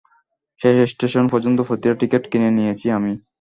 শেষ স্টেশন পর্যন্ত প্রতিটা টিকেট কিনে নিয়েছি আমি।